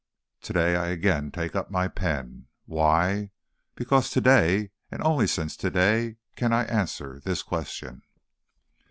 To day I again take up my pen. Why? Because to day, and only since to day, can I answer this question.